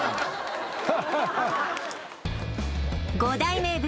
五大名物